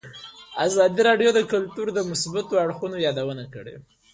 ازادي راډیو د کلتور د مثبتو اړخونو یادونه کړې.